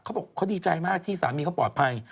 เขาบอกเขาดีใจมากที่สามีเขาปลอดภัย